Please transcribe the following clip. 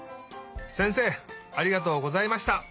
せんせいありがとうございました。